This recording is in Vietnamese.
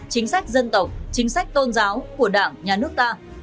chính sách dân tộc chính sách tôn giáo của đảng nhà nước ta